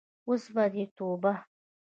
اوس به دې توبه.